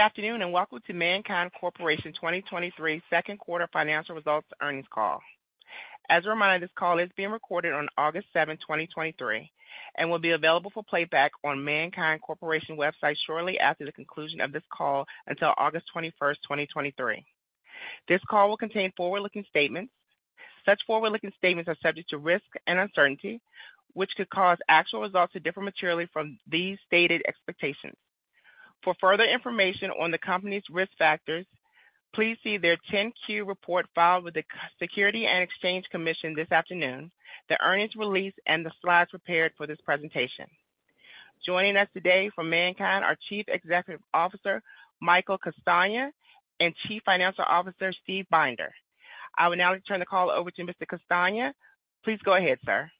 Good afternoon, and welcome to MannKind Corporation 2023 second quarter financial results earnings call. As a reminder, this call is being recorded on August seventh, 2023, and will be available for playback on MannKind Corporation website shortly after the conclusion of this call until August twenty-first, 2023. This call will contain forward-looking statements. Such forward-looking statements are subject to risk and uncertainty, which could cause actual results to differ materially from these stated expectations. For further information on the company's risk factors, please see their 10-Q report filed with the Securities and Exchange Commission this afternoon, the earnings release, and the slides prepared for this presentation. Joining us today from MannKind are Chief Executive Officer, Michael Castagna, and Chief Financial Officer, Steve Binder. I will now turn the call over to Mr. Castagna. Please go ahead, sir.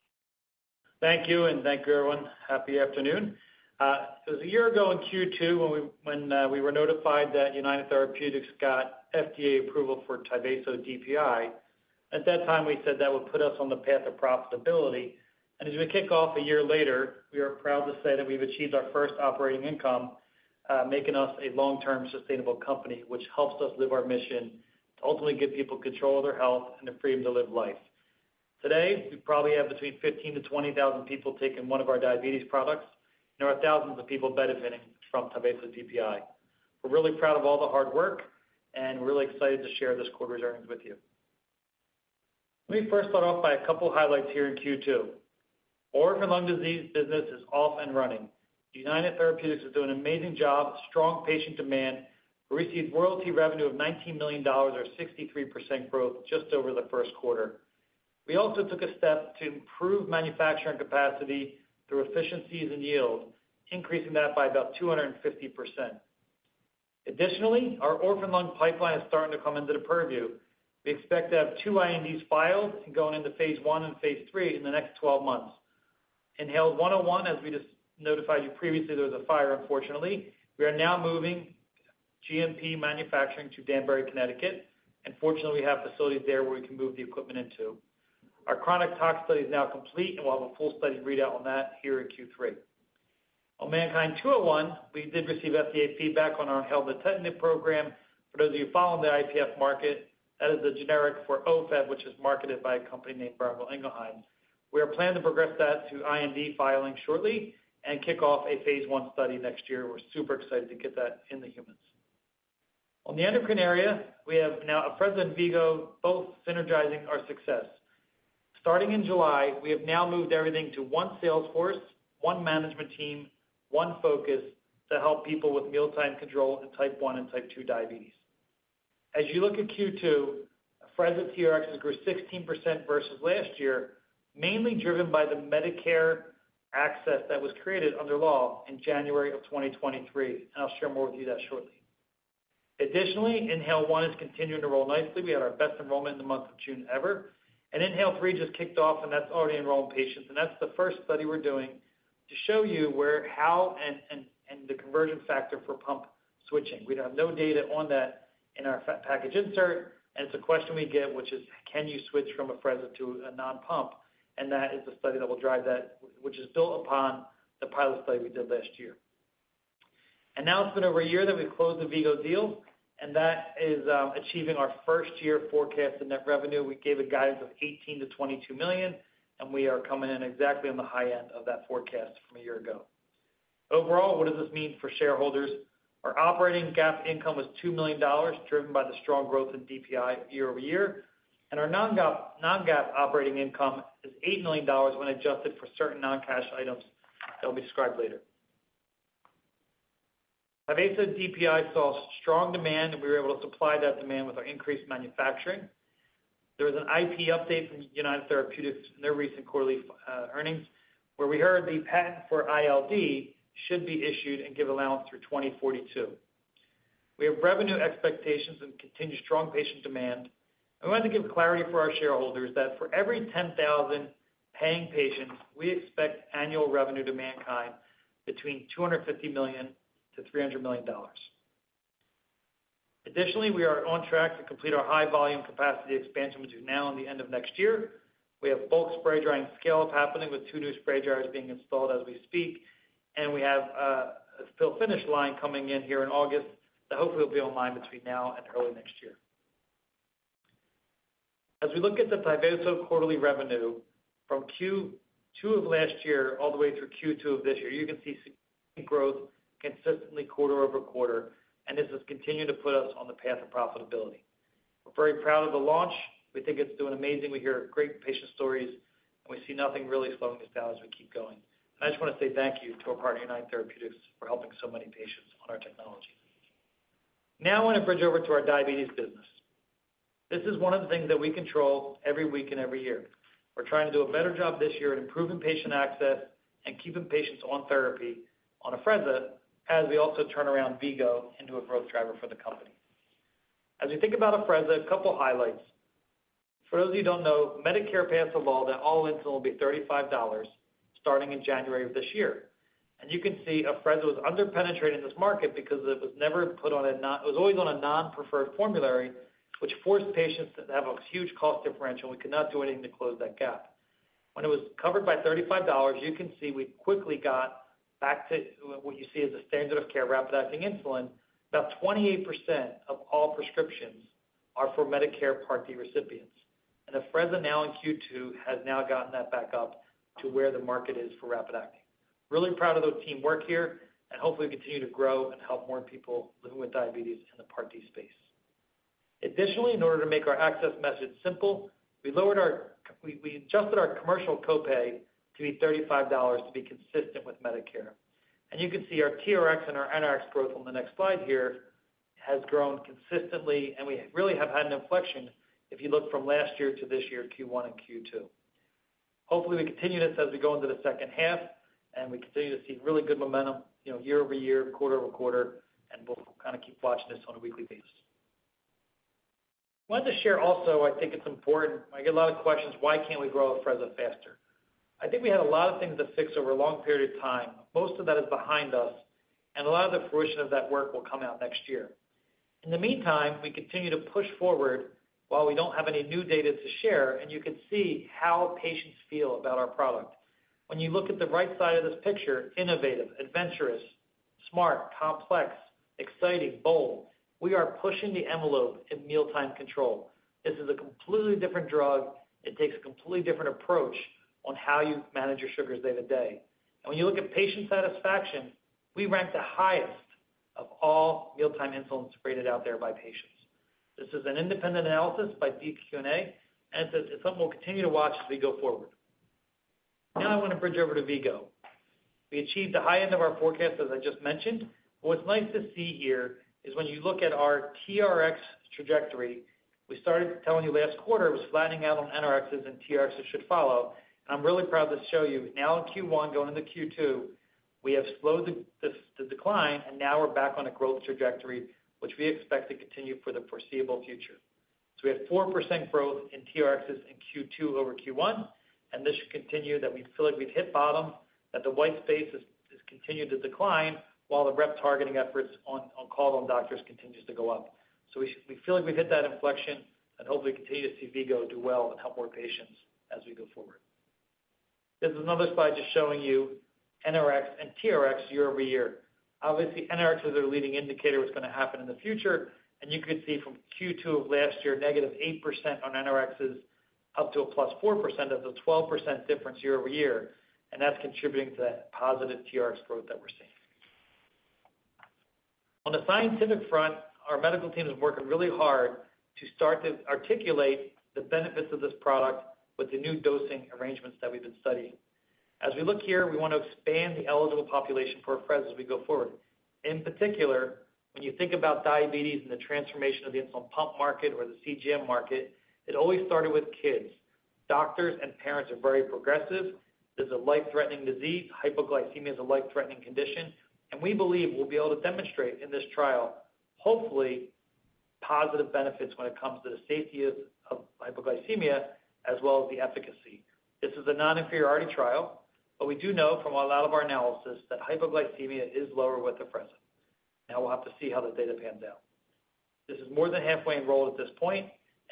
Thank you, and thank you, everyone. Happy afternoon. It was a year ago in Q2 when we, when we were notified that United Therapeutics got FDA approval for Tyvaso DPI. At that time, we said that would put us on the path of profitability. As we kick off a year later, we are proud to say that we've achieved our first operating income, making us a long-term sustainable company, which helps us live our mission to ultimately give people control of their health and the freedom to live life. Today, we probably have between 15,000-20,000 people taking one of our diabetes products, and there are thousands of people benefiting from Tyvaso DPI. We're really proud of all the hard work, and we're really excited to share this quarter's earnings with you. Let me first start off by a couple highlights here in Q2. Orphan lung disease business is off and running. United Therapeutics is doing an amazing job, strong patient demand. We received royalty revenue of $19 million, or 63% growth, just over the first quarter. We also took a step to improve manufacturing capacity through efficiencies and yield, increasing that by about 250%. Additionally, our orphan lung pipeline is starting to come into the purview. We expect to have two INDs filed and going into phase I and phase III in the next 12 months. Inhaled one zero one, as we just notified you previously, there was a fire, unfortunately. We are now moving GMP manufacturing to Danbury, Connecticut. Fortunately, we have facilities there where we can move the equipment into. Our chronic tox study is now complete, and we'll have a full study readout on that here in Q3. On MannKind 201, we did receive FDA feedback on our nintedanib program. For those of you following the IPF market, that is a generic for Ofev, which is marketed by a company named Boehringer Ingelheim. We are planning to progress that to IND filing shortly and kick off a Phase 1 study next year. We're super excited to get that in the humans. On the endocrine area, we have now Afrezza and V-Go both synergizing our success. Starting in July, we have now moved everything to one sales force, one management team, one focus to help people with mealtime control in Type 1 and Type 2 diabetes. As you look at Q2, Afrezza TRxs grew 16% versus last year, mainly driven by the Medicare access that was created under law in January of 2023. I'll share more with you that shortly. Additionally, INHALE-1 is continuing to roll nicely. We had our best enrollment in the month of June ever. INHALE-3 just kicked off, and that's already enrolling patients. That's the first study we're doing to show you where, how, and, and, and the conversion factor for pump switching. We'd have no data on that in our package insert, and it's a question we get, which is: Can you switch from Afrezza to a non-pump? That is the study that will drive that, which is built upon the pilot study we did last year. Now it's been over a year that we closed the V-Go deal, and that is achieving our first-year forecast in net revenue. We gave a guidance of $18 million-$22 million, and we are coming in exactly on the high end of that forecast from a year ago. Overall, what does this mean for shareholders? Our operating GAAP income was $2 million, driven by the strong growth in DPI year-over-year, and our non-GAAP, non-GAAP operating income is $8 million when adjusted for certain non-cash items that will be described later. Tyvaso DPI saw strong demand, and we were able to supply that demand with our increased manufacturing. There was an IP update from United Therapeutics in their recent quarterly earnings, where we heard the patent for ILD should be issued and give allowance through 2042. We have revenue expectations and continued strong patient demand. I wanted to give clarity for our shareholders that for every 10,000 paying patients, we expect annual revenue to MannKind between $250 million-$300 million. Additionally, we are on track to complete our high volume capacity expansion between now and the end of next year. We have bulk spray drying scale-up happening with two new spray dryers being installed as we speak, and we have a fill finish line coming in here in August that hopefully will be online between now and early next year. As we look at the Tyvaso quarterly revenue from Q2 of last year, all the way through Q2 of this year, you can see significant growth consistently quarter-over-quarter, and this has continued to put us on the path of profitability. We're very proud of the launch. We think it's doing amazing. We hear great patient stories, and we see nothing really slowing us down as we keep going. I just want to say thank you to our partner, United Therapeutics, for helping so many patients on our technology. Now, I want to bridge over to our diabetes business. This is one of the things that we control every week and every year. We're trying to do a better job this year at improving patient access and keeping patients on therapy on Afrezza, as we also turn around V-Go into a growth driver for the company. As you think about Afrezza, a couple highlights. For those of you who don't know, Medicare passed a law that all insulin will be $35 starting in January of this year. You can see Afrezza was under-penetrated in this market because it was never put on a non-preferred formulary, which forced patients to have a huge cost differential. We could not do anything to close that gap. When it was covered by $35, you can see we quickly got back to what you see as the standard of care, rapid-acting insulin. About 28% of all prescriptions are for Medicare Part D recipients. Afrezza now in Q2, has now gotten that back up to where the market is for rapid-acting. Really proud of the teamwork here. Hopefully, we continue to grow and help more people living with diabetes in the Part D space. Additionally, in order to make our access message simple, we lowered our, we adjusted our commercial copay to be $35 to be consistent with Medicare. You can see our TRx and our NRx growth on the next slide here, has grown consistently, and we really have had an inflection if you look from last year to this year, Q1 and Q2. Hopefully, we continue this as we go into the second half, and we continue to see really good momentum, you know, year-over-year, quarter-over-quarter, and we'll kind of keep watching this on a weekly basis. I wanted to share also, I think it's important. I get a lot of questions, "Why can't we grow Afrezza faster?" I think we had a lot of things to fix over a long period of time. Most of that is behind us, and a lot of the fruition of that work will come out next year. In the meantime, we continue to push forward while we don't have any new data to share. You can see how patients feel about our product. When you look at the right side of this picture, innovative, adventurous, smart, complex, exciting, bold, we are pushing the envelope in mealtime control. This is a completely different drug. It takes a completely different approach on how you manage your sugars day-to-day. When you look at patient satisfaction, we rank the highest of all mealtime insulins rated out there by patients. This is an independent analysis by dQ&A. It's something we'll continue to watch as we go forward. I want to bridge over to V-Go. We achieved the high end of our forecast, as I just mentioned. What's nice to see here is when you look at our TRx trajectory, we started telling you last quarter it was flattening out on NRxes, TRxes should follow. I'm really proud to show you now in Q1, going into Q2, we have slowed the decline, and now we're back on a growth trajectory, which we expect to continue for the foreseeable future. We have 4% growth in TRxes in Q2 over Q1, and this should continue, that we feel like we've hit bottom, that the white space has continued to decline, while the rep targeting efforts on call on doctors continues to go up. We feel like we've hit that inflection, and hopefully, we continue to see V-Go do well and help more patients as we go forward. This is another slide just showing you NRx and TRx year-over-year. Obviously, NRx is our leading indicator of what's going to happen in the future, and you can see from Q2 of last year, -8% on NRxes up to a +4% of the 12% difference year-over-year, and that's contributing to that positive TRx growth that we're seeing. On the scientific front, our medical team is working really hard to start to articulate the benefits of this product with the new dosing arrangements that we've been studying. As we look here, we want to expand the eligible population for Afrezza as we go forward. In particular, when you think about diabetes and the transformation of the insulin pump market or the CGM market, it always started with kids. Doctors and parents are very progressive. This is a life-threatening disease. Hypoglycemia is a life-threatening condition. We believe we'll be able to demonstrate in this trial, hopefully, positive benefits when it comes to the safety of hypoglycemia as well as the efficacy. This is a non-inferiority trial. We do know from a lot of our analysis that hypoglycemia is lower with Afrezza. We'll have to see how the data pans out. This is more than halfway enrolled at this point,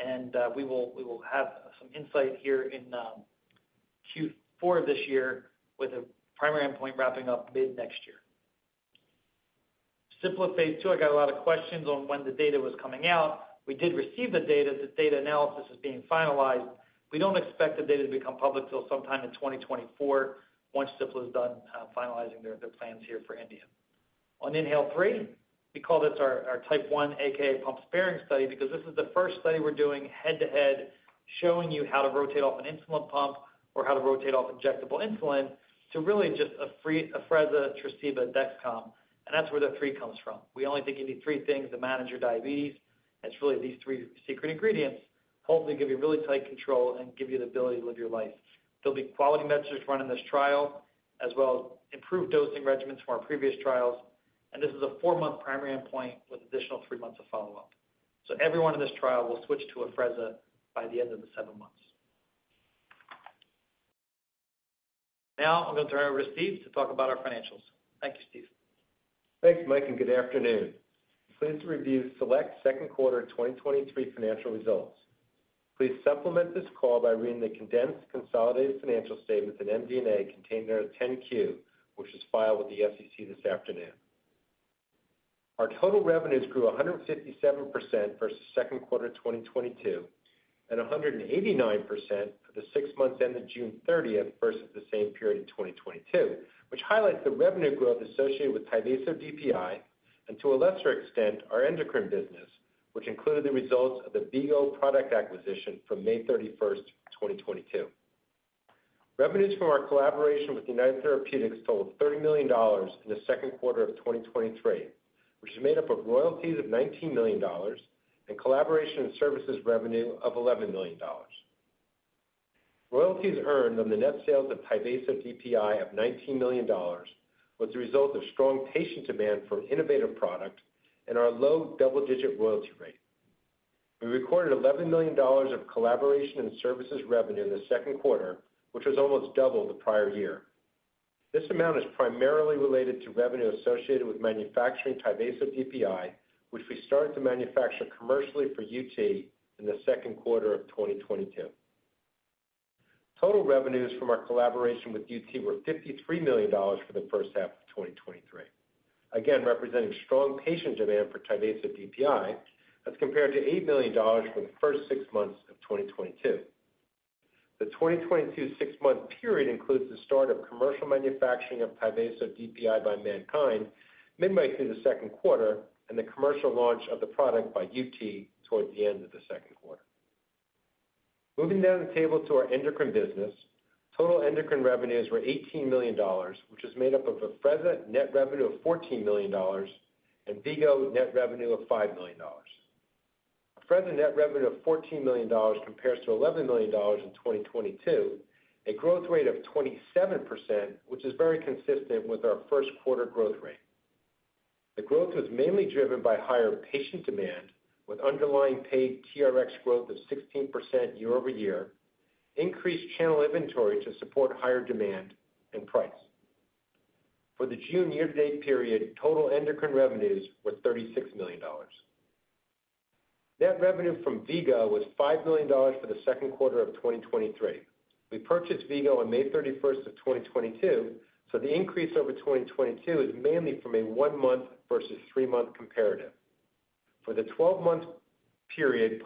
and we will, we will have some insight here in Q4 of this year with a primary endpoint wrapping up mid-next year. SimpliFi-2, I got a lot of questions on when the data was coming out. We did receive the data. The data analysis is being finalized. We don't expect the data to become public till sometime in 2024, once Simpli is done finalizing their plans here for India. On INHALE-3, we call this our, our type 1 AKA pump-sparing study, because this is the first study we're doing head-to-head, showing you how to rotate off an insulin pump or how to rotate off injectable insulin to really just Afrezza, Tresiba, Dexcom, and that's where the 3 comes from. We only think you need 3 things to manage your diabetes, and it's really these 3 secret ingredients, hopefully, give you really tight control and give you the ability to live your life. There'll be quality measures run in this trial, as well as improved dosing regimens from our previous trials, and this is a 4-month primary endpoint with an additional 3 months of follow-up. Everyone in this trial will switch to Afrezza by the end of the 7 months. Now I'm going to turn it over to Steve to talk about our financials. Thank you, Steve. Thanks, Mike, and good afternoon. Pleased to review select second quarter 2023 financial results. Please supplement this call by reading the condensed consolidated financial statements and MD&A contained in our 10-Q, which was filed with the SEC this afternoon. Our total revenues grew 157% versus second quarter 2022, and 189% for the six months ended June 30 versus the same period in 2022, which highlights the revenue growth associated with Tyvaso DPI, and to a lesser extent, our endocrine business, which included the results of the V-Go product acquisition from May 31, 2022. Revenues from our collaboration with United Therapeutics totaled $30 million in the second quarter of 2023, which is made up of royalties of $19 million and collaboration and services revenue of $11 million. Royalties earned on the net sales of Tyvaso DPI of $19 million was the result of strong patient demand for innovative product and our low double-digit royalty rate. We recorded $11 million of collaboration and services revenue in the second quarter, which was almost double the prior year. This amount is primarily related to revenue associated with manufacturing Tyvaso DPI, which we started to manufacture commercially for UT in the second quarter of 2022. Total revenues from our collaboration with UT were $53 million for the first half of 2023. Again, representing strong patient demand for Tyvaso DPI, as compared to $8 million for the first six months of 2022. The 2022 6-month period includes the start of commercial manufacturing of Tyvaso DPI by MannKind, midway through the second quarter, and the commercial launch of the product by UT towards the end of the second quarter. Moving down the table to our endocrine business. Total endocrine revenues were $18 million, which is made up of Afrezza net revenue of $14 million and V-Go net revenue of $5 million. Afrezza net revenue of $14 million compares to $11 million in 2022, a growth rate of 27%, which is very consistent with our first quarter growth rate. The growth was mainly driven by higher patient demand, with underlying paid TRx growth of 16% year-over-year, increased channel inventory to support higher demand and price. For the June year-to-date period, total endocrine revenues were $36 million. Net revenue from V-Go was $5 million for the second quarter of 2023. We purchased V-Go on May 31st of 2022, the increase over 2022 is mainly from a one-month versus three-month comparative. For the 12-month period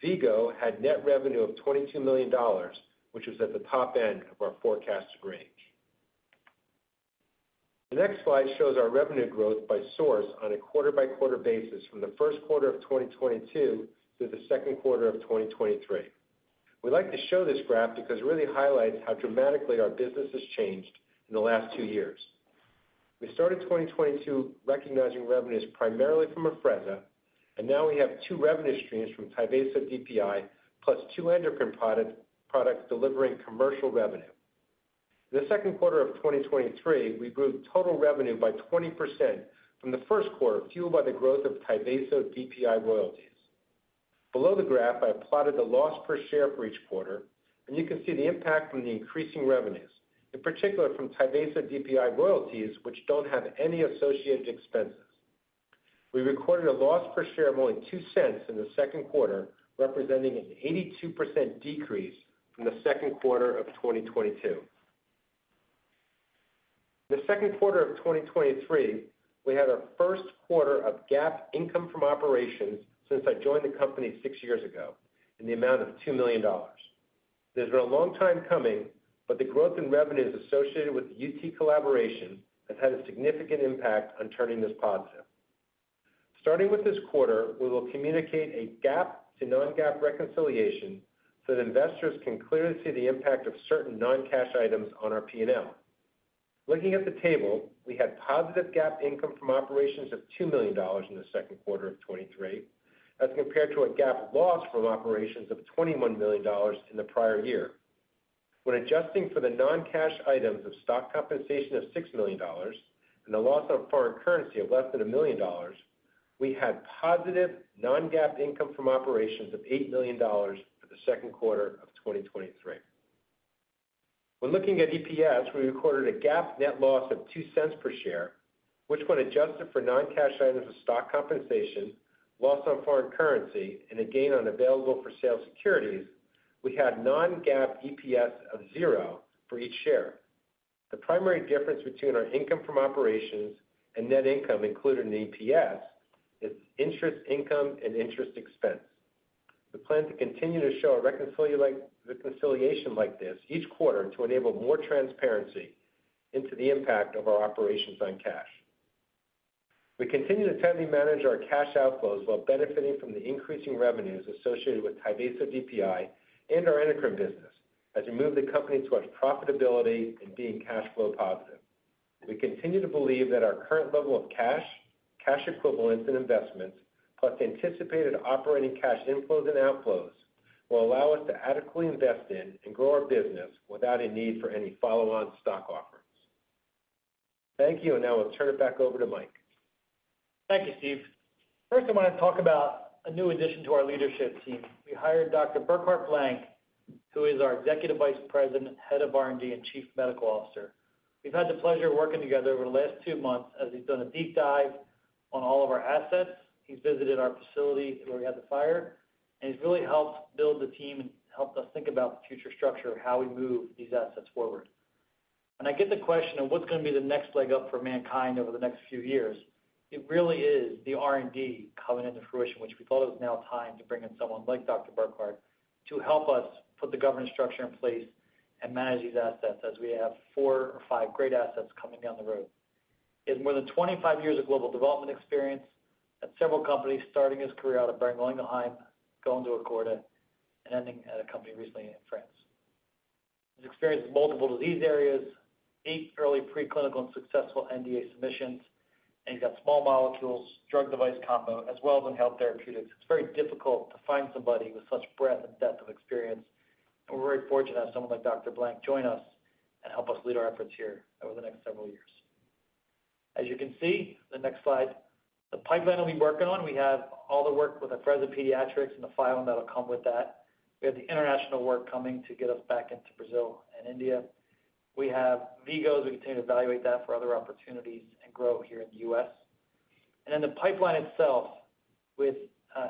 post-acquisition, V-Go had net revenue of $22 million, which was at the top end of our forecasted range. The next slide shows our revenue growth by source on a quarter-by-quarter basis from the first quarter of 2022 through the second quarter of 2023. We like to show this graph because it really highlights how dramatically our business has changed in the last two years. We started 2022 recognizing revenues primarily from Afrezza, now we have two revenue streams from Tyvaso DPI, plus two endocrine products delivering commercial revenue. The second quarter of 2023, we grew total revenue by 20% from the first quarter, fueled by the growth of Tyvaso DPI royalties. Below the graph, I have plotted the loss per share for each quarter, and you can see the impact from the increasing revenues, in particular from Tyvaso DPI royalties, which don't have any associated expenses. We recorded a loss per share of only $0.02 in the second quarter, representing an 82% decrease from the second quarter of 2022. The second quarter of 2023, we had our first quarter of GAAP income from operations since I joined the company 6 years ago, in the amount of $2 million. This has been a long time coming, the growth in revenues associated with the UT collaboration has had a significant impact on turning this positive. Starting with this quarter, we will communicate a GAAP to non-GAAP reconciliation so that investors can clearly see the impact of certain non-cash items on our P&L. Looking at the table, we had positive GAAP income from operations of $2 million in the second quarter of 2023, as compared to a GAAP loss from operations of $21 million in the prior year. When adjusting for the non-cash items of stock compensation of $6 million and a loss on foreign currency of less than $1 million, we had positive non-GAAP income from operations of $8 million for the second quarter of 2023. When looking at EPS, we recorded a GAAP net loss of $0.02 per share, which when adjusted for non-cash items of stock compensation, loss on foreign currency, and a gain on available-for-sale securities, we had non-GAAP EPS of zero for each share. The primary difference between our income from operations and net income included in EPS, is interest income and interest expense. We plan to continue to show a reconciliation like this each quarter to enable more transparency into the impact of our operations on cash. We continue to tightly manage our cash outflows while benefiting from the increasing revenues associated with Tyvaso DPI and our endocrine business as we move the company towards profitability and being cash flow positive. We continue to believe that our current level of cash, cash equivalents, and investments, plus the anticipated operating cash inflows and outflows, will allow us to adequately invest in and grow our business without a need for any follow-on stock offerings. Thank you, and now we'll turn it back over to Mike. Thank you, Steve. First, I want to talk about a new addition to our leadership team. We hired Dr. Burkhard Blank, who is our Executive Vice President, Head of R&D, and Chief Medical Officer. We've had the pleasure of working together over the last two months as he's done a deep dive on all of our assets. He's visited our facility where we had the fire, and he's really helped build the team and helped us think about the future structure of how we move these assets forward. When I get the question of what's going to be the next leg up for MannKind over the next few years, it really is the R&D coming into fruition, which we thought it was now time to bring in someone like Dr. Burkhard to help us put the governance structure in place and manage these assets as we have four or five great assets coming down the road. He has more than 25 years of global development experience at several companies, starting his career out of Boehringer Ingelheim, going to Acorda, and ending at a company recently in France. He's experienced multiple disease areas, eight early preclinical and successful NDA submissions, and he's got small molecules, drug device combo, as well as inhaled therapeutics. It's very difficult to find somebody with such breadth and depth of experience, and we're very fortunate to have someone like Dr. Blank join us and help us lead our efforts here over the next several years. As you can see, the next slide, the pipeline that we're working on, we have all the work with Afrezza pediatrics and the filing that'll come with that. We have the international work coming to get us back into Brazil and India. We have V-Go, we continue to evaluate that for other opportunities and grow here in the U.S. The pipeline itself with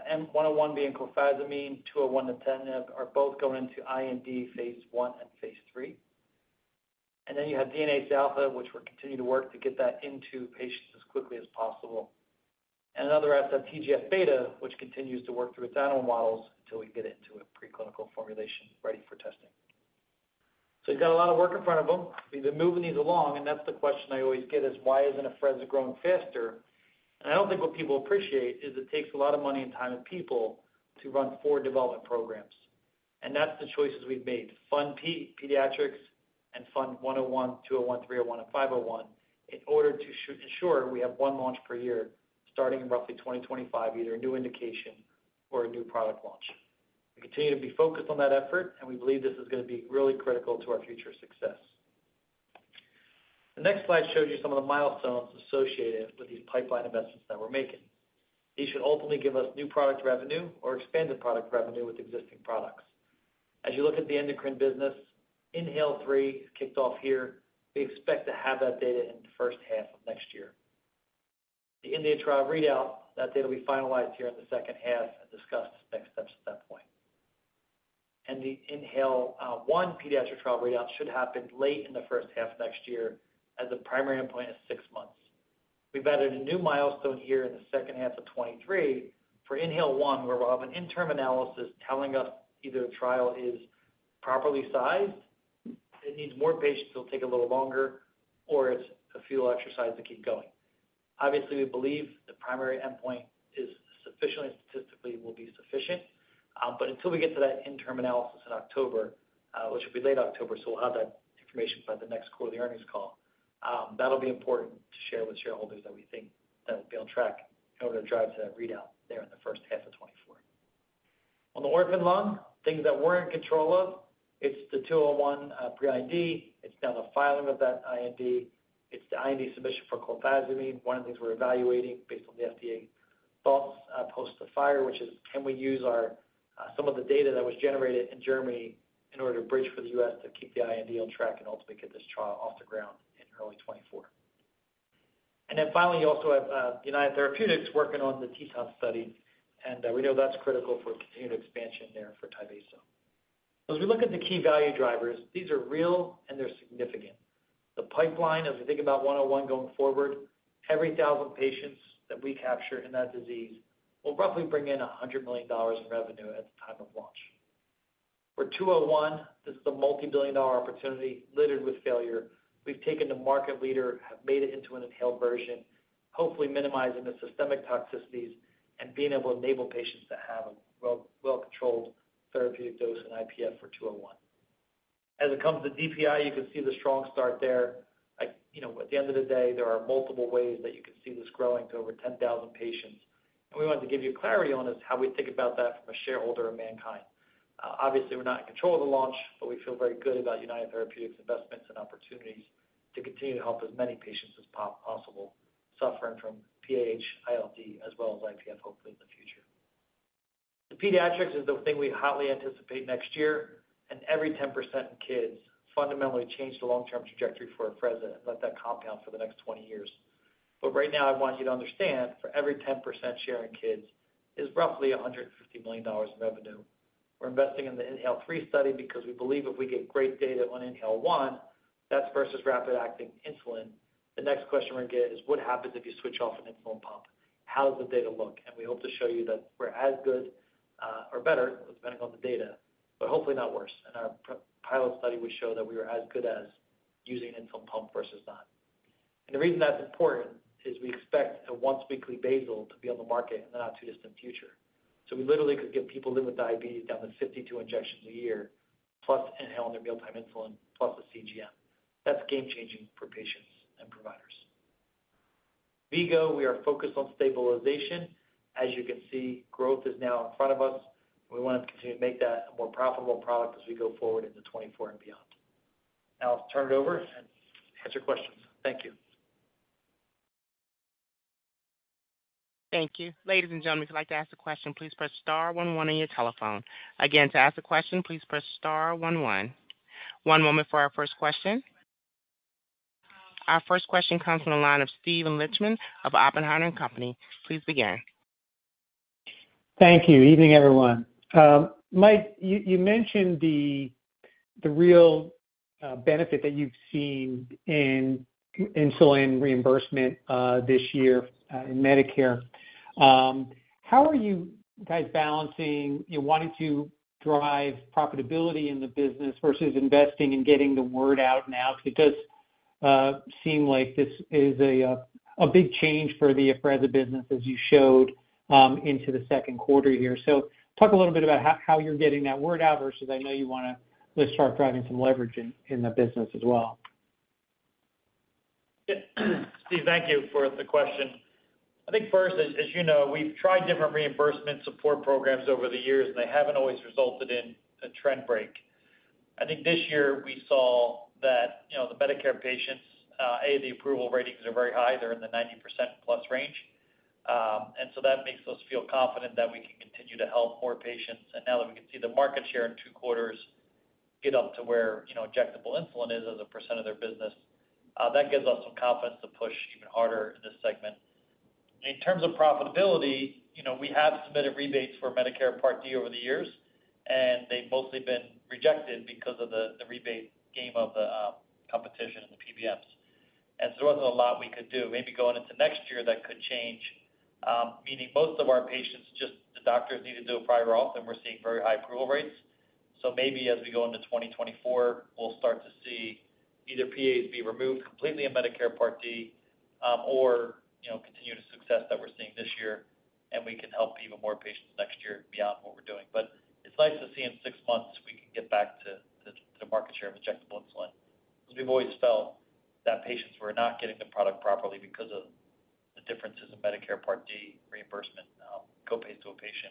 M-101 being clofazimine, 201 nintedanib, are both going into IND phase I and phase III. You have dornase alfa, which we're continuing to work to get that into patients as quickly as possible. On the other end, TGF-beta, which continues to work through its animal models until we get it into a preclinical formulation ready for testing. We've got a lot of work in front of them. We've been moving these along, and that's the question I always get is, why isn't Afrezza growing faster? I don't think what people appreciate is it takes a lot of money and time and people to run four development programs. That's the choices we've made, fund pediatrics and fund 101, 201, 301, and 501, in order to ensure we have one launch per year, starting in roughly 2025, either a new indication or a new product launch. We continue to be focused on that effort, and we believe this is going to be really critical to our future success. The next slide shows you some of the milestones associated with these pipeline investments that we're making. These should ultimately give us new product revenue or expanded product revenue with existing products. As you look at the endocrine business, INHALE-3 is kicked off here. We expect to have that data in the first half of next year. The India trial readout, that data will be finalized here in the second half and discuss next steps at that point. The INHALE-1 pediatric trial readout should happen late in the first half of next year, as the primary endpoint is 6 months. We've added a new milestone here in the second half of 2023 for INHALE-1, where we'll have an interim analysis telling us either the trial is properly sized, it needs more patients, it'll take a little longer, or it's a futile exercise to keep going. Obviously, we believe the primary endpoint is sufficiently and statistically will be sufficient. Until we get to that interim analysis in October, which will be late October, so we'll have that information by the next quarterly earnings call, that'll be important to share with shareholders that we think that we'll be on track in order to drive to that readout there in the first half of 2024. On the orphan lung, things that we're in control of, it's the MNKD-201, pre-IND, it's now the filing of that IND, it's the IND submission for clofazimine. One of the things we're evaluating based on the FDA thoughts, post the fire, which is, can we use some of the data that was generated in Germany in order to bridge for the U.S. to keep the IND on track and ultimately get this trial off the ground in early 2024. Then finally, you also have United Therapeutics working on the TETON study, and we know that's critical for continued expansion there for Tyvaso. As we look at the key value drivers, these are real and they're significant. The pipeline, as we think about one oh one going forward, every 1,000 patients that we capture in that disease will roughly bring in $100 million in revenue at the time of launch. For two oh one, this is a $multi-billion opportunity littered with failure. We've taken the market leader, have made it into an inhaled version, hopefully minimizing the systemic toxicities and being able to enable patients to have a well, well-controlled therapeutic dose in IPF for two oh one. As it comes to DPI, you can see the strong start there. You know, at the end of the day, there are multiple ways that you can see this growing to over 10,000 patients. We wanted to give you clarity on is how we think about that from a shareholder of MannKind. Obviously, we're not in control of the launch, but we feel very good about United Therapeutics' investments and opportunities to continue to help as many patients as possible suffering from PAH, ILD, as well as IPF, hopefully in the future. The pediatrics is the thing we hotly anticipate next year, every 10% in kids fundamentally change the long-term trajectory for Afrezza and let that compound for the next 20 years. Right now, I want you to understand, for every 10% share in kids is roughly $150 million in revenue. We're investing in the INHALE-3 study because we believe if we get great data on INHALE-1, that's versus rapid-acting insulin. The next question we're going to get is: What happens if you switch off an insulin pump? How does the data look? We hope to show you that we're as good, or better, depending on the data, but hopefully not worse. In our pilot study, we show that we were as good as using an insulin pump versus not. The reason that's important is we expect a once-weekly basal to be on the market in the not-too-distant future. We literally could get people living with diabetes down to 52 injections a year, plus inhaling their mealtime insulin plus a CGM. That's game-changing for patients and providers. V-Go, we are focused on stabilization. As you can see, growth is now in front of us. We want to continue to make that a more profitable product as we go forward into 2024 and beyond. I'll turn it over and answer questions. Thank you. Thank you. Ladies and gentlemen, if you'd like to ask a question, please press star one one on your telephone. Again, to ask a question, please press star one one. One moment for our first question. Our first question comes from the line of Steven Lichtman of Oppenheimer & Co. Please begin. Thank you. Evening, everyone. Mike, you, you mentioned the, the real benefit that you've seen in insulin reimbursement this year in Medicare. How are you guys balancing, you wanting to drive profitability in the business versus investing in getting the word out now? Because it does seem like this is a big change for the Afrezza business, as you showed into the second quarter here. Talk a little bit about how, how you're getting that word out versus I know you want to really start driving some leverage in, in the business as well. Yeah. Steve, thank you for the question. I think first, as, as you know, we've tried different reimbursement support programs over the years, and they haven't always resulted in a trend break. I think this year we saw that, you know, the Medicare patients, the approval ratings are very high. They're in the 90%+ range. That makes us feel confident that we can continue to help more patients. Now that we can see the market share in 2 quarters get up to where, you know, injectable insulin is as a percent of their business, that gives us some confidence to push even harder in this segment. In terms of profitability, you know, we have submitted rebates for Medicare Part D over the years, and they've mostly been rejected because of the, the rebate game of the competition and the PBMs. There wasn't a lot we could do. Maybe going into next year, that could change. Meaning most of our patients, just the doctors need to do a prior auth, and we're seeing very high approval rates. Maybe as we go into 2024, we'll start to see either PAs be removed completely in Medicare Part D, or, you know, continue the success that we're seeing this year, and we can help even more patients next year beyond what we're doing. It's nice to see in 6 months we can get back to, to, to market share of injectable insulin. We've always felt that patients were not getting the product properly because of the differences in Medicare Part D reimbursement, copays to a patient.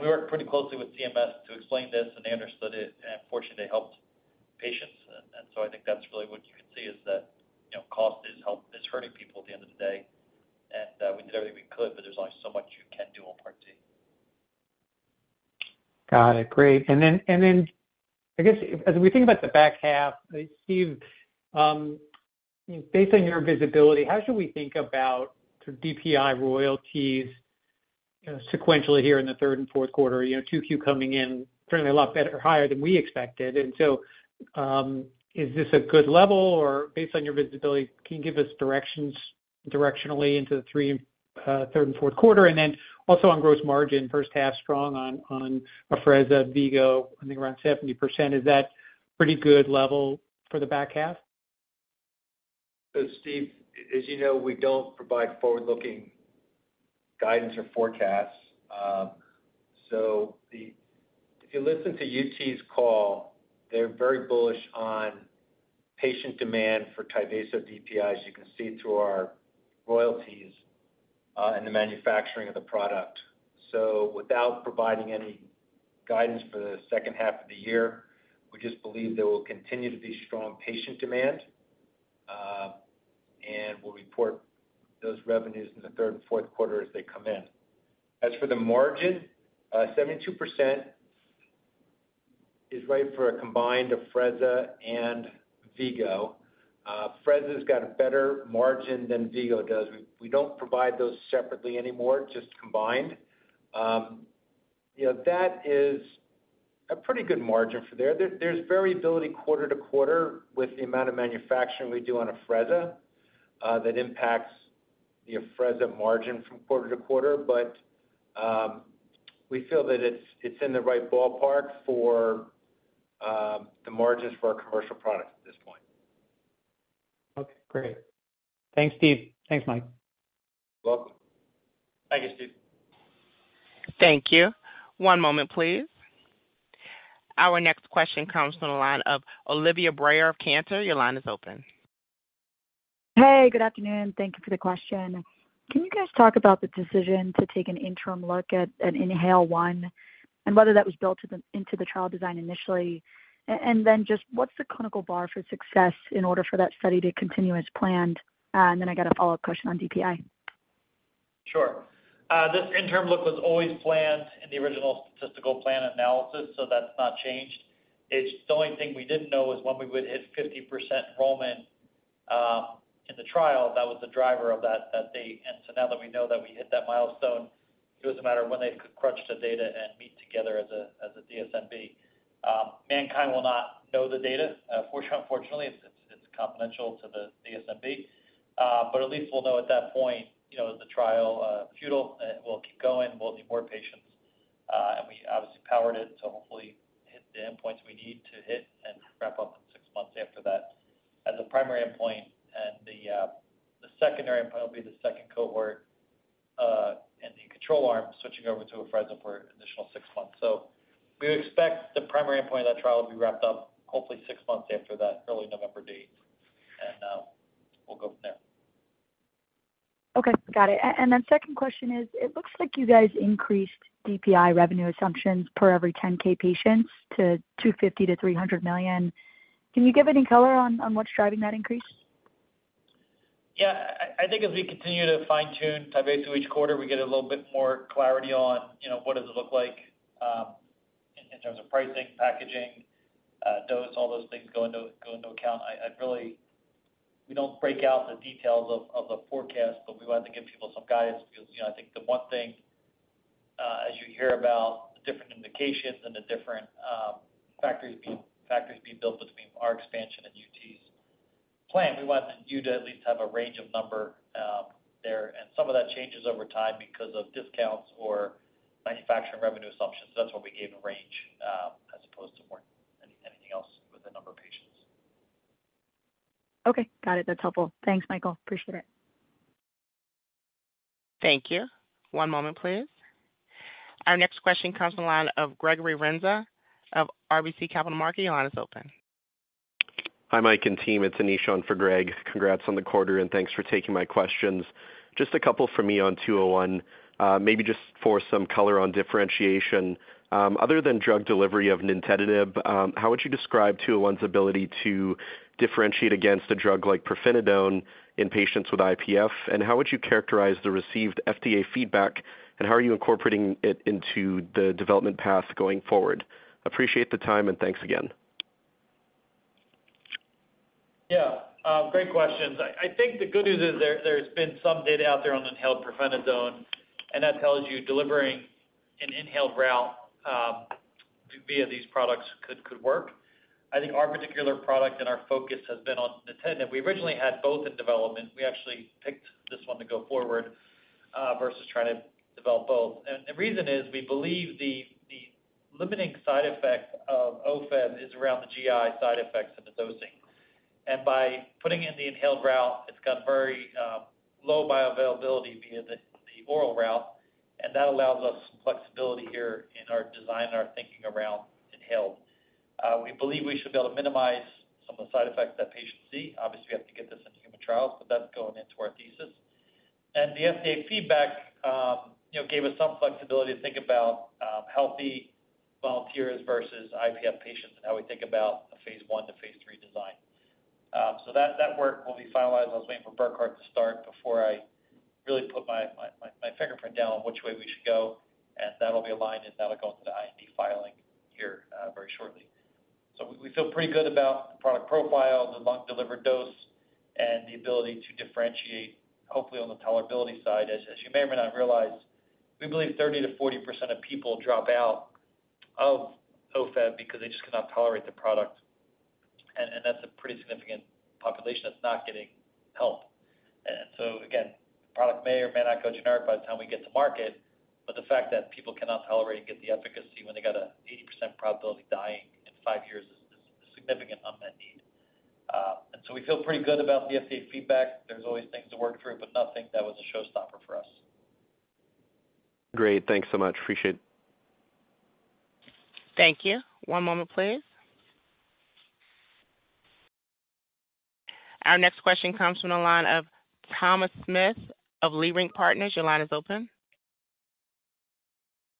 We worked pretty closely with CMS to explain this, and they understood it, and fortunately, they helped patients. I think that's really what you can see is that, you know, cost is hurting people at the end of the day. We did everything we could, but there's only so much you can do on Part D. Got it. Great. I guess as we think about the back half, Steve, based on your visibility, how should we think about the DPI royalties sequentially here in the third and fourth quarter? You know, 2Q coming in, certainly a lot better or higher than we expected. Is this a good level? Or based on your visibility, can you give us directionally into the third and fourth quarter? Also on gross margin, first half strong on Afrezza, V-Go, I think around 70%. Is that pretty good level for the back half? Steve, as you know, we don't provide forward-looking guidance or forecasts. If you listen to UT's call, they're very bullish on patient demand for Tyvaso DPI, as you can see through our royalties and the manufacturing of the product. Without providing any guidance for the second half of the year, we just believe there will continue to be strong patient demand and we'll report those revenues in the third and fourth quarter as they come in. As for the margin, 72% is right for a combined Afrezza and V-Go. Afrezza's got a better margin than V-Go does. We, we don't provide those separately anymore, just combined. You know, that is a pretty good margin for there. There, there's variability quarter to quarter with the amount of manufacturing we do on Afrezza, that impacts the Afrezza margin from quarter to quarter. We feel that it's, it's in the right ballpark for the margins for our commercial products at this point. Okay, great. Thanks, Steve. Thanks, Mike. You're welcome. Thank you, Steve. Thank you. One moment, please. Our next question comes from the line of Olivia Brayer of Cantor. Your line is open. Hey, good afternoon. Thank you for the question. Can you guys talk about the decision to take an interim look at an INHALE-1, whether that was built into the trial design initially? Then just what's the clinical bar for success in order for that study to continue as planned? Then I got a follow-up question on DPI. Sure. This interim look was always planned in the original statistical plan analysis, so that's not changed. The only thing we didn't know was when we would hit 50% enrollment in the trial. That was the driver of that, that date. Now that we know that we hit that milestone, it was a matter of when they could crunch the data and meet together as a DSMB. MannKind will not know the data. Fortunately, unfortunately, it's confidential to the DSMB. At least we'll know at that point, you know, is the trial futile? We'll keep going. We'll need more patients. We obviously powered it, so hopefully hit the endpoints we need to hit and wrap up in six months after that. As a primary endpoint and the secondary endpoint will be the second cohort, and the control arm switching over to Afrezza for an additional six months. We expect the primary endpoint of that trial will be wrapped up hopefully six months after that early November date, and we'll go from there. Okay, got it. Then second question is, it looks like you guys increased DPI revenue assumptions per every 10K patients to $250 million-$300 million. Can you give any color on what's driving that increase? Yeah, I, I think as we continue to fine-tune Tyvaso through each quarter, we get a little bit more clarity on, you know, what does it look like in terms of pricing, packaging, dose, all those things go into, go into account. I, I'd really we don't break out the details of the forecast, but we wanted to give people some guidance because, you know, I think the one thing as you hear about the different indications and the different factories being built between our expansion and UT's plan, we want you to at least have a range of number there. Some of that changes over time because of discounts or manufacturing revenue assumptions. That's why we gave a range as opposed to more anything else with the number of patients. Okay. Got it. That's helpful. Thanks, Michael. Appreciate it. Thank you. One moment, please. Our next question comes from the line of Gregory Renza of RBC Capital Markets. Your line is open. Hi, Mike and team. It's Anish on for Greg. Congrats on the quarter, and thanks for taking my questions. Just a couple for me on 201. Maybe just for some color on differentiation. Other than drug delivery of nintedanib, how would you describe 201's ability to differentiate against a drug like pirfenidone in patients with IPF? How would you characterize the received FDA feedback, and how are you incorporating it into the development path going forward? Appreciate the time, and thanks again. Yeah, great questions. I think the good news is there, there's been some data out there on inhaled pirfenidone. That tells you delivering an inhaled route via these products could, could work. I think our particular product and our focus has been on nintedanib. We originally had both in development. We actually picked this one to go forward versus trying to develop both. The reason is, we believe the limiting side effect of Ofev is around the GI side effects and the dosing. By putting in the inhaled route, it's got very low bioavailability via the oral route, and that allows us some flexibility here in our design and our thinking around inhaled. We believe we should be able to minimize some of the side effects that patients see. Obviously, we have to get this into human trials, but that's going into our thesis. The FDA feedback, you know, gave us some flexibility to think about healthy volunteers versus IPF patients and how we think about a phase one to phase three design. That, that work will be finalized. I was waiting for Burkhard to start before I really put my, my, my, my fingerprint down on which way we should go, and that'll be aligned, and that'll go into the IND filing here, very shortly. We, we feel pretty good about the product profile, the lung-delivered dose, and the ability to differentiate, hopefully, on the tolerability side. As, as you may or may not realize, we believe 30%-40% of people drop out of Ofev because they just cannot tolerate the product, and that's a pretty significant population that's not getting help. Again, the product may or may not go generic by the time we get to market, but the fact that people cannot tolerate and get the efficacy when they got a 80% probability of dying in five years is a significant unmet need. We feel pretty good about the FDA feedback. There's always things to work through, nothing that was a showstopper for us. Great. Thanks so much. Appreciate it. Thank you. One moment, please. Our next question comes from the line of Thomas Smith of Leerink Partners. Your line is open.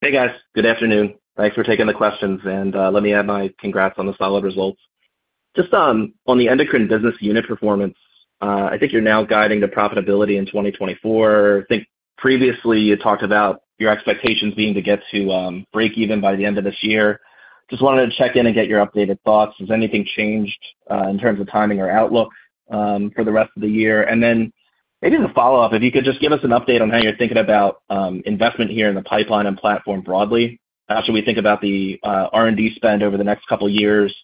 Hey, guys. Good afternoon. Thanks for taking the questions, and let me add my congrats on the solid results. Just on, on the endocrine business unit performance, I think you're now guiding the profitability in 2024. I think previously you talked about your expectations being to get to break even by the end of this year. Just wanted to check in and get your updated thoughts. Has anything changed in terms of timing or outlook for the rest of the year? Then maybe as a follow-up, if you could just give us an update on how you're thinking about investment here in the pipeline and platform broadly. How should we think about the R&D spend over the next couple of years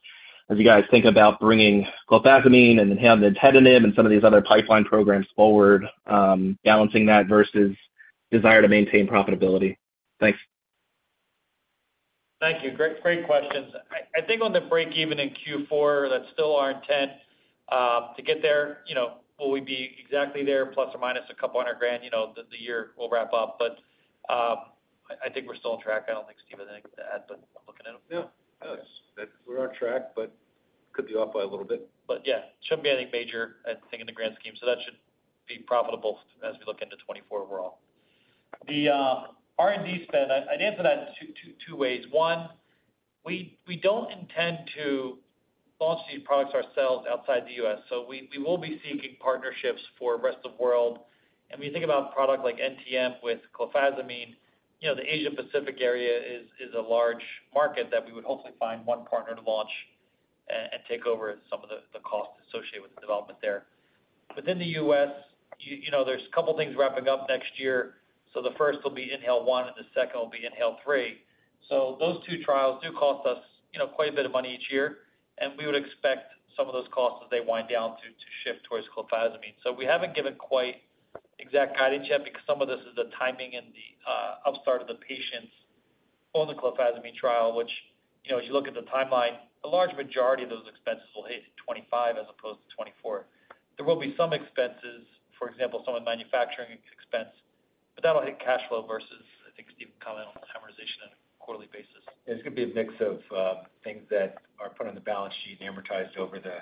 as you guys think about bringing clofazimine and inhaled nintedanib and some of these other pipeline programs forward, balancing that versus desire to maintain profitability? Thanks. Thank you. Great, great questions. I, I think on the break even in Q4, that's still our intent, to get there. You know, will we be exactly there ±$200,000, you know, the year we'll wrap up? I, I think we're still on track. I don't think Steve has anything to add, but I'm looking at him. No. Yes, we're on track, but could be off by a little bit. Yeah, shouldn't be anything major, I think, in the grand scheme, so that should be profitable as we look into 2024 overall. The R&D spend, I'd answer that in 2, 2, 2 ways. One, we, we don't intend to launch these products ourselves outside the US, so we, we will be seeking partnerships for rest of world. When you think about product like NTM with clofazimine, you know, the Asia Pacific area is, is a large market that we would hopefully find 1 partner to launch and, and take over some of the, the costs associated with the development there. Within the US, you, you know, there's a couple things wrapping up next year. The first will be INHALE-1, and the second will be INHALE-3. Those two trials do cost us, you know, quite a bit of money each year, and we would expect some of those costs, as they wind down, to shift towards clofazimine. We haven't given quite exact guidance yet because some of this is the timing and the upstart of the patients on the clofazimine trial, which, you know, as you look at the timeline, a large majority of those expenses will hit in 2025 as opposed to 2024. There will be some expenses, for example, some of the manufacturing expense, but that'll hit cash flow versus, I think, Steve can comment on the amortization on a quarterly basis. It's going to be a mix of things that are put on the balance sheet and amortized over the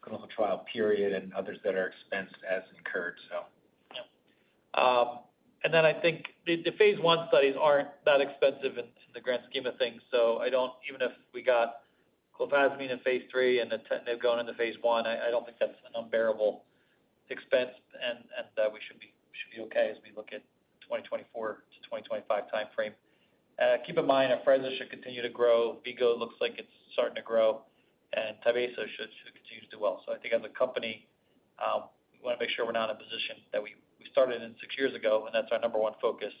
clinical trial period and others that are expensed as incurred. Yep. I think the phase one studies aren't that expensive in the grand scheme of things, so I don't. Even if we got clofazimine in phase three and the nintedanib going into phase one, I don't think that's an unbearable expense, we should be okay as we look at 2024 to 2025 timeframe. Keep in mind, Afrezza should continue to grow. V-Go looks like it's starting to grow, and Tyvaso should continue to do well. I think as a company, we want to make sure we're not in a position that we started in six years ago, and that's our number one focus.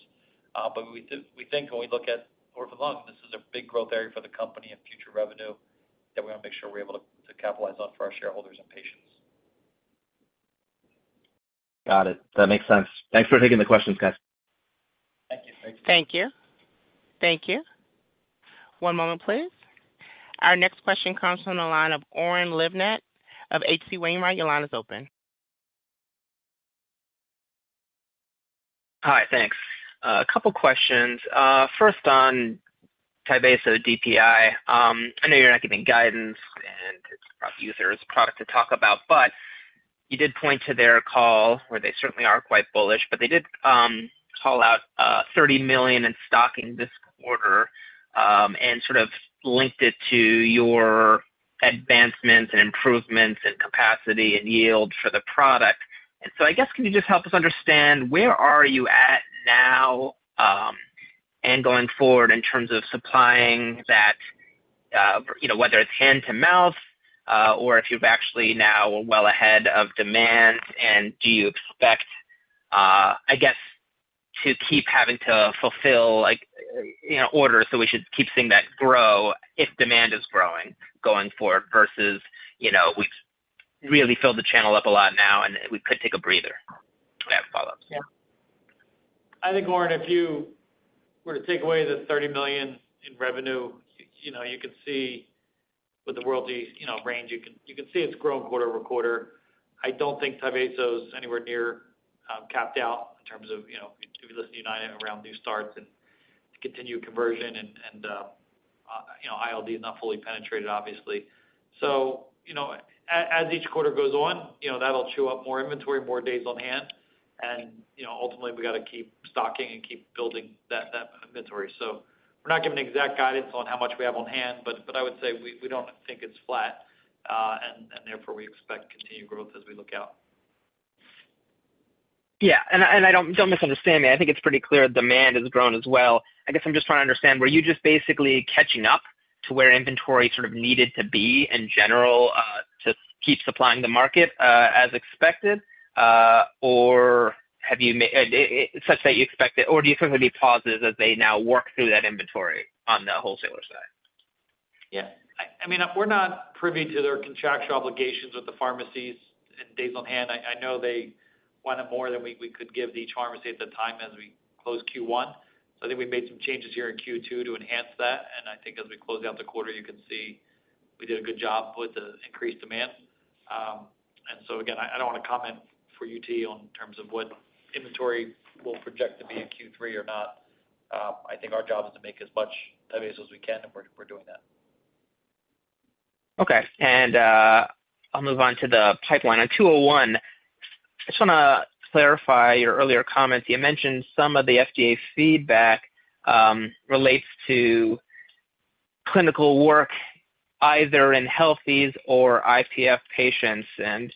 We think when we look at or for lung, this is a big growth area for the company and future revenue that we want to make sure we're able to capitalize on for our shareholders and patients. Got it. That makes sense. Thanks for taking the questions, guys. Thank you. Thanks. Thank you. Thank you. One moment, please. Our next question comes from the line of Oren Livnat of H.C. Wainwright. Your line is open. Hi, thanks. A couple questions. First on Tyvaso DPI. I know you're not giving guidance, and it's probably easier as a product to talk about, but you did point to their call, where they certainly are quite bullish, but they did call out $30 million in stocking this quarter, and sort of linked it to your advancements and improvements in capacity and yield for the product. I guess, can you just help us understand where are you at now, and going forward in terms of supplying that, you know, whether it's hand to mouth, or if you've actually now well ahead of demand, and do you expect, I guess, to keep having to fulfill, you know, orders, so we should keep seeing that grow if demand is growing going forward, versus, you know, we've really filled the channel up a lot now, and we could take a breather. I have follow-ups. Yeah. I think, Lauren, if you were to take away the $30 million in revenue, you know, you could see with the world easy, you know, range, you can, you can see it's grown quarter-over-quarter. I don't think Tyvaso is anywhere near capped out in terms of, you know, if you listen to United around new starts and to continue conversion and, you know, ILD is not fully penetrated, obviously. You know, as each quarter goes on, you know, that'll chew up more inventory, more days on hand, and, you know, ultimately, we got to keep stocking and keep building that, that inventory. We're not giving exact guidance on how much we have on hand, but, but I would say we, we don't think it's flat, and, and therefore, we expect continued growth as we look out. Yeah, and I don't misunderstand me. I think it's pretty clear demand has grown as well. I guess I'm just trying to understand, were you just basically catching up to where inventory sort of needed to be in general, to keep supplying the market, as expected, or such that you expect it, or do you think there'll be pauses as they now work through that inventory on the wholesaler side? Yeah. I, I mean, we're not privy to their contractual obligations with the pharmacies and days on hand. I, I know they wanted more than we, we could give each pharmacy at the time as we closed Q1. I think we made some changes here in Q2 to enhance that, and I think as we close out the quarter, you can see we did a good job with the increased demand. Again, I, I don't want to comment for UT in terms of what inventory we'll project to be in Q3 or not. I think our job is to make as much Tyvaso as we can, and we're, we're doing that. Okay, I'll move on to the pipeline. On 201, I just want to clarify your earlier comments. You mentioned some of the FDA feedback relates to clinical work, either in healthies or IPF patients, and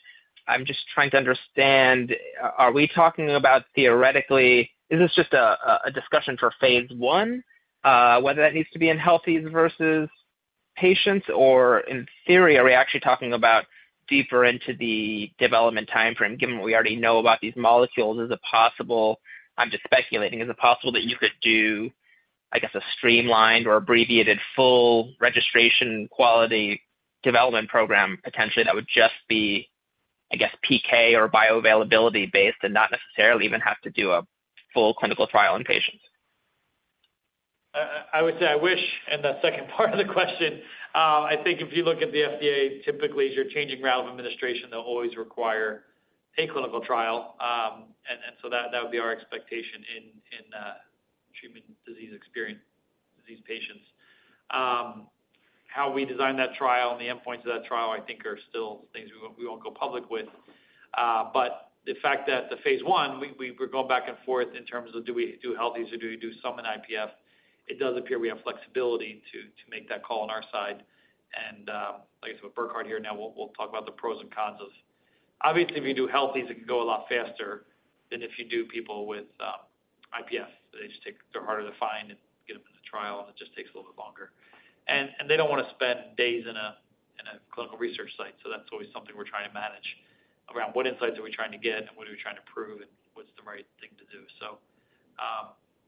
I'm just trying to understand, are we talking about theoretically, is this just a discussion for Phase 1, whether that needs to be in healthies versus patients, or in theory, are we actually talking about deeper into the development timeframe, given what we already know about these molecules, is it possible, I just speculating, is it possible that you could do, I guess, a streamlined or abbreviated full registration quality development program, potentially, that would just be, I guess, PK or bioavailability based and not necessarily even have to do a full clinical trial on patients? I would say I wish, in the second part of the question, I think if you look at the FDA, typically, as you're changing route of administration, they'll always require a clinical trial. That, that would be our expectation in, in treatment disease experience, disease patients. How we design that trial and the endpoints of that trial, I think are still things we won't, we won't go public with. The fact that the phase I, we're going back and forth in terms of do we do healthies or do we do some in IPF. It does appear we have flexibility to make that call on our side. Like I said, with Burkhard here now, we'll, we'll talk about the pros and cons of... Obviously, if you do healthies, it can go a lot faster than if you do people with IPF. They're harder to find and get them in the trial, and it just takes a little bit longer. They don't want to spend days in a clinical research site, so that's always something we're trying to manage around what insights are we trying to get and what are we trying to prove and what's the right thing to do.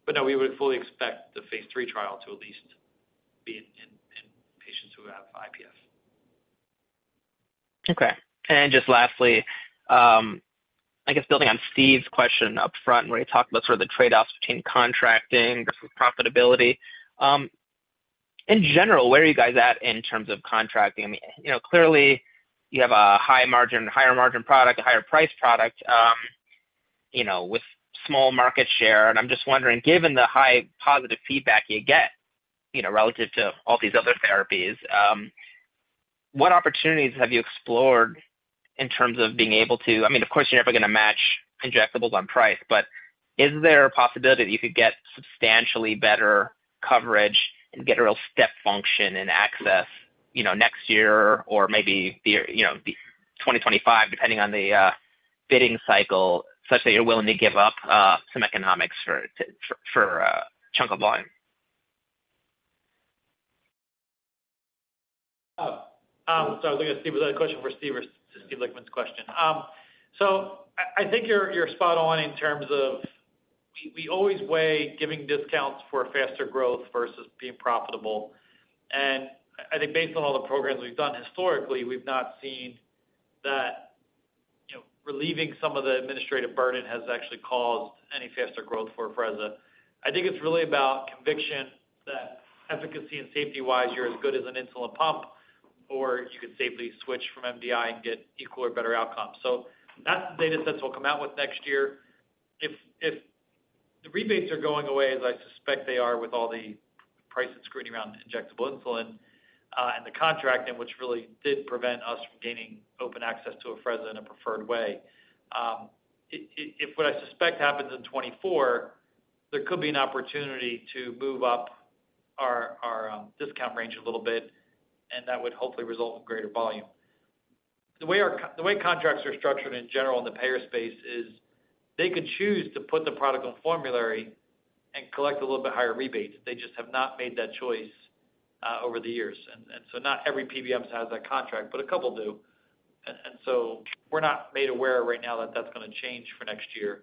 But no, we would fully expect the phase 3 trial to at least be in patients who have IPF. Okay. Just lastly, I guess building on Steve's question up front, where you talked about sort of the trade-offs between contracting profitability. In general, where are you guys at in terms of contracting? I mean, you know, clearly, you have a high margin, higher margin product, a higher price product, you know, with small market share. I'm just wondering, given the high positive feedback you get, you know, relative to all these other therapies, what opportunities have you explored in terms of being able to? I mean, of course, you're never going to match injectables on price, but is there a possibility that you could get substantially better coverage and get a real step function and access, you know, next year or maybe year, you know, be 2025, depending on the bidding cycle, such that you're willing to give up some economics for a chunk of volume? I was going to see, was that a question for Steve or Steven Lichtman's question? I think you're, you're spot on in terms of we always weigh giving discounts for faster growth versus being profitable. I think based on all the programs we've done historically, we've not seen that, you know, relieving some of the administrative burden has actually caused any faster growth for Afrezza. I think it's really about conviction that efficacy and safety-wise, you're as good as an insulin pump. You could safely switch from MDI and get equal or better outcomes. That's the data sets we'll come out with next year. If, if the rebates are going away, as I suspect they are, with all the price and scrutiny around injectable insulin, and the contracting, which really did prevent us from gaining open access to Afrezza in a preferred way. If, if, if what I suspect happens in 2024, there could be an opportunity to move up our, our discount range a little bit, and that would hopefully result in greater volume. The way our the way contracts are structured in general in the payer space is, they could choose to put the product on formulary and collect a little bit higher rebates. They just have not made that choice over the years. Not every PBM has that contract, but a couple do. We're not made aware right now that that's gonna change for next year.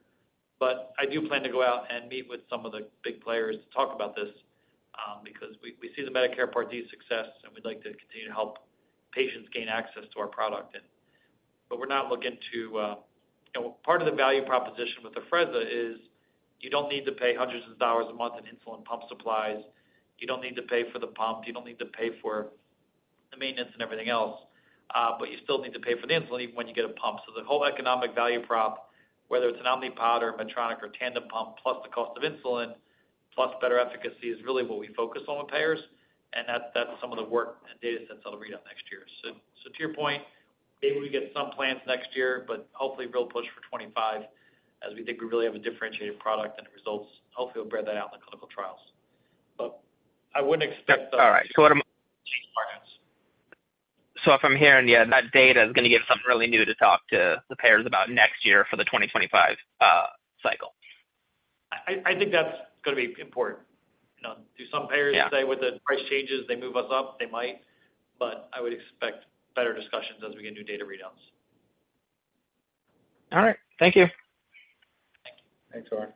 I do plan to go out and meet with some of the big players to talk about this, because we, we see the Medicare Part D success, and we'd like to continue to help patients gain access to our product. We're not looking to... You know, part of the value proposition with Afrezza is you don't need to pay hundreds of dollars a month in insulin pump supplies. You don't need to pay for the pump. You don't need to pay for the maintenance and everything else, but you still need to pay for the insulin even when you get a pump. The whole economic value prop, whether it's an Omnipod or Medtronic or Tandem pump, plus the cost of insulin, plus better efficacy, is really what we focus on with payers, and that's, that's some of the work and data sets I'll read out next year. To your point, maybe we get some plans next year, but hopefully we'll push for 25, as we think we really have a differentiated product, and the results hopefully will bear that out in the clinical trials. I wouldn't expect- All right. markets. If I'm hearing you, that data is gonna give us something really new to talk to the payers about next year for the 2025 cycle. I, I think that's gonna be important. You know, do some payers- Yeah. -stay with the price changes, they move us up? They might, but I would expect better discussions as we get new data readouts. All right. Thank you. Thanks, Oren.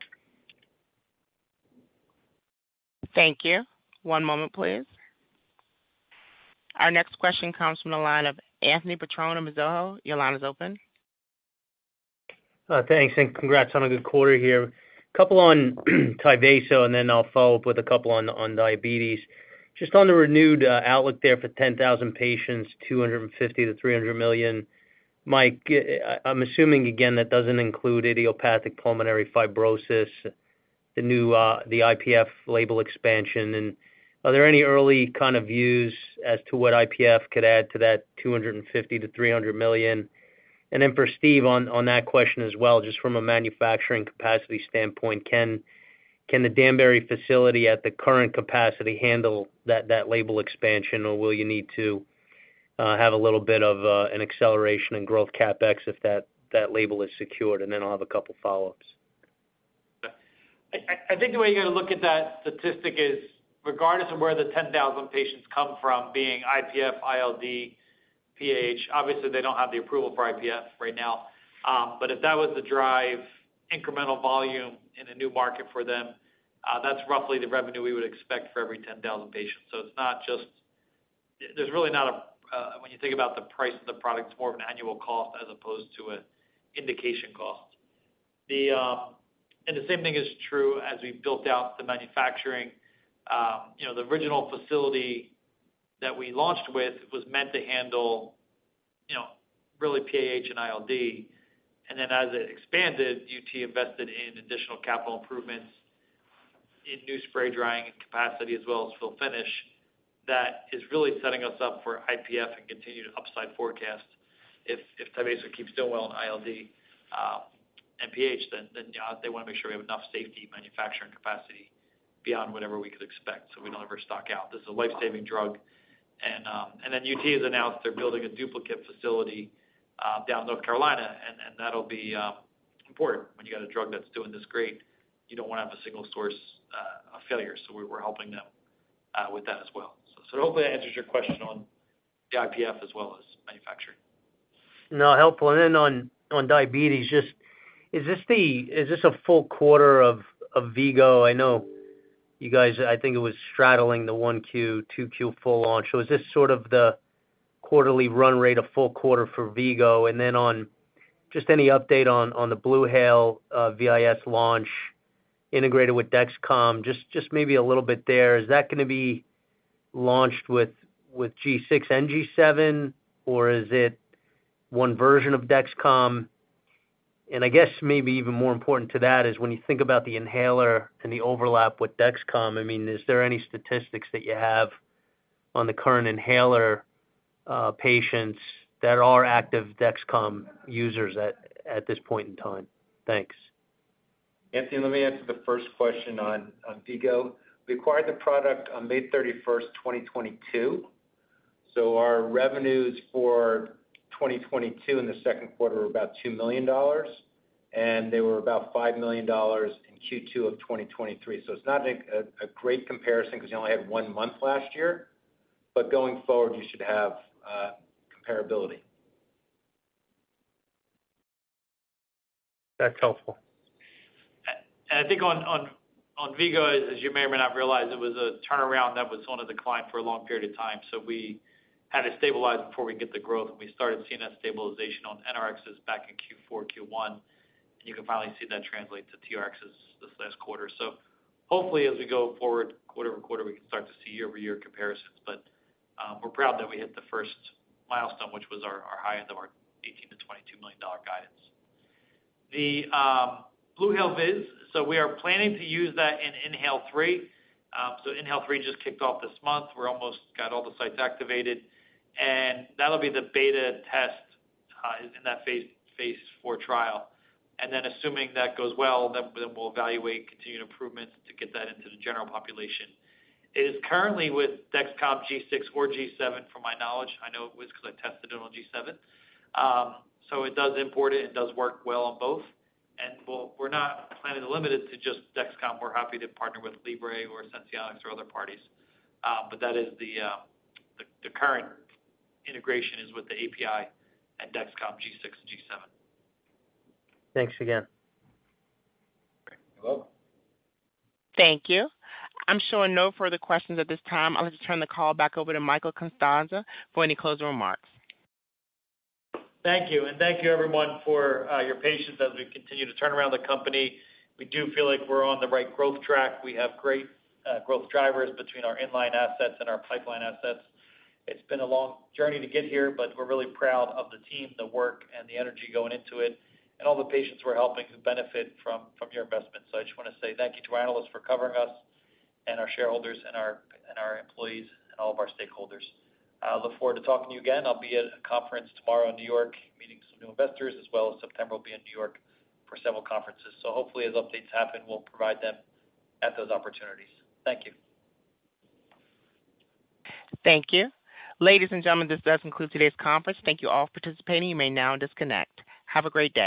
Thank you. One moment, please. Our next question comes from the line of Anthony Petrone, Mizuho. Your line is open. Thanks, congrats on a good quarter here. Couple on Tyvaso, then I'll follow up with a couple on, on diabetes. Just on the renewed outlook there for 10,000 patients, $250 million-$300 million. Mike, I'm assuming, again, that doesn't include idiopathic pulmonary fibrosis, the new, the IPF label expansion. Are there any early kind of views as to what IPF could add to that $250 million-$300 million? Then for Steve, on, on that question as well, just from a manufacturing capacity standpoint, can the Danbury facility at the current capacity handle that, that label expansion, or will you need to have a little bit of an acceleration in growth CapEx if that, that label is secured? Then I'll have a couple follow-ups. I think the way you got to look at that statistic is, regardless of where the 10,000 patients come from, being IPF, ILD, PAH, obviously, they don't have the approval for IPF right now. But if that was to drive incremental volume in a new market for them, that's roughly the revenue we would expect for every 10,000 patients. It's not just, there's really not a, when you think about the price of the product, it's more of an annual cost as opposed to an indication cost. The same thing is true as we built out the manufacturing. The original facility that we launched with was meant to handle really PAH and ILD. Then as it expanded, UT invested in additional capital improvements in new spray drying and capacity, as well as fill finish. That is really setting us up for IPF and continued upside forecast. If Tyvaso keeps doing well in ILD and PAH, they want to make sure we have enough safety manufacturing capacity beyond whatever we could expect, so we don't ever stock out. This is a life-saving drug. UT has announced they're building a duplicate facility down in North Carolina, and that'll be important. When you got a drug that's doing this great, you don't want to have a single source of failure, so we're helping them with that as well. Hopefully that answers your question on the IPF as well as manufacturing. No, helpful. On, on diabetes, just, is this a full quarter of, of V-Go? I know you guys, I think it was straddling the 1Q, 2Q full launch. Is this sort of the quarterly run rate, a full quarter for V-Go? On... just any update on, on the BluHale VIS launch integrated with Dexcom, just maybe a little bit there. Is that gonna be launched with, with G6 and G7, or is it one version of Dexcom? I guess maybe even more important to that is when you think about the inhaler and the overlap with Dexcom, I mean, is there any statistics that you have on the current inhaler patients that are active Dexcom users at, at this point in time? Thanks. Anthony, let me answer the first question on, on V-Go. We acquired the product on May 31, 2022, so our revenues for 2022 in the second quarter were about $2 million, and they were about $5 million in Q2 2023. It's not a, a great comparison because you only had 1 month last year, but going forward, you should have comparability. That's helpful. I think on, on, on V-Go, as you may or may not realize, it was a turnaround that was on a decline for a long period of time. We had to stabilize before we get the growth, and we started seeing that stabilization on NRx back in Q4, Q1. You can finally see that translate to TRx this last quarter. Hopefully, as we go forward quarter-over-quarter, we can start to see year-over-year comparisons. We're proud that we hit the first milestone, which was our, our high end of our $18 million-$22 million guidance. BluHale VIS, we are planning to use that in INHALE-3. INHALE-3 just kicked off this month. We're almost got all the sites activated, and that'll be the beta test in that phase 4 trial. Assuming that goes well, then we'll evaluate continued improvements to get that into the general population. It is currently with Dexcom G6 or G7, from my knowledge. I know it was because I tested it on G7. It does import it and does work well on both. We're not planning to limit it to just Dexcom. We're happy to partner with Libre or Senseonics or other parties. That is the current integration is with the API at Dexcom G6 and G7. Thanks again. Okay. Hello? Thank you. I'm showing no further questions at this time. I'll just turn the call back over to Michael Castagna for any closing remarks. Thank you, everyone, for your patience as we continue to turn around the company. We do feel like we're on the right growth track. We have great growth drivers between our in-line assets and our pipeline assets. It's been a long journey to get here, but we're really proud of the team, the work, and the energy going into it, and all the patients we're helping who benefit from, from your investment. I just want to say thank you to our analysts for covering us and our shareholders and our, and our employees, and all of our stakeholders. I look forward to talking to you again. I'll be at a conference tomorrow in New York, meeting some new investors, as well as September, I'll be in New York for several conferences. Hopefully, as updates happen, we'll provide them at those opportunities. Thank you. Thank you. Ladies and gentlemen, this does conclude today's conference. Thank you all for participating. You may now disconnect. Have a great day.